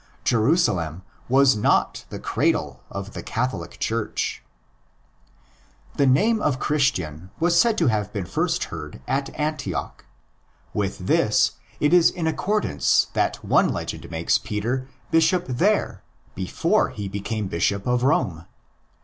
Jerusalem was not the cradle of the Catholic Church. The name of Christian was said to have been first heard at Antioch. With this it is in accordance that one legend makes Peter bishop there before he became bishop of Rome.